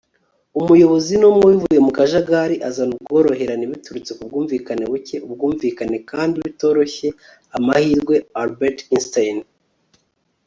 umuyobozi ni umwe, bivuye mu kajagari, azana ubworoherane biturutse ku bwumvikane buke, ubwumvikane kandi bitoroshye, amahirwe. - albert einstein